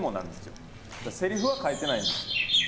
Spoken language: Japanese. セリフは書いてないんですよ。